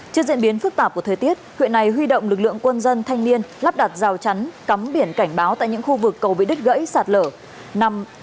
trước diễn biến phức tạp của thời tiết huyện này huy động lực lượng quân dân thanh niên lắp đặt rào chắn cắm biển cảnh báo tại những khu vực cầu bị đứt gãy sạt lở nằm nhằm bảo vệ an toàn tính mạng cho người dân